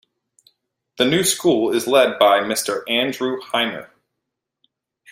The new school is led by Mr Andrew Hymer.